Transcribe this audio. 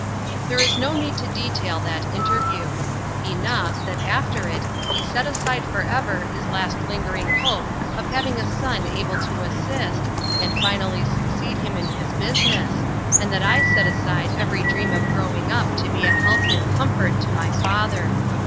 There is no need to detail that interview. Enough, that after it he set aside for ever his last lingering hope of having a son able to assist, and finally succeed him in his business, and that I set aside every dream of growing up to be a help and comfort to my father.